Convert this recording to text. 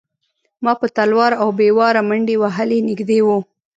ما په تلوار او بې واره منډې وهلې نږدې و.